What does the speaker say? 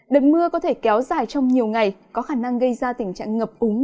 đợt mưa có thể kéo dài trong nhiều ngày có khả năng gây ra tình trạng ngập úng